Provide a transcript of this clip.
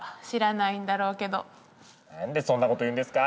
なんでそんなこと言うんですか！